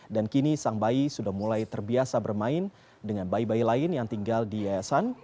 dan kini sang bayi sudah mulai terbiasa bermain dengan bayi bayi lain yang tinggal di yayasan